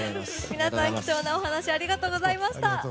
皆さん貴重なお話ありがとうございました。